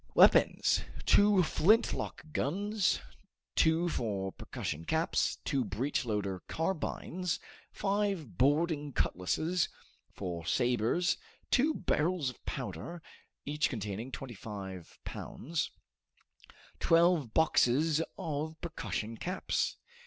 Weapons: 2 flint lock guns, 2 for percussion caps, 2 breach loader carbines, 5 boarding cutlasses, 4 sabers, 2 barrels of powder, each containing twenty five pounds; 12 boxes of percussion caps.